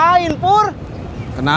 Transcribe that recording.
harusnya aku mau ke tempat ya